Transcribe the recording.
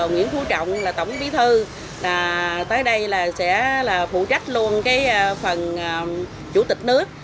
nguyễn phú trọng là tổng bí thư tới đây là sẽ là phụ trách luôn cái phần chủ tịch nước